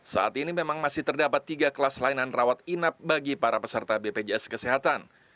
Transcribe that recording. saat ini memang masih terdapat tiga kelas layanan rawat inap bagi para peserta bpjs kesehatan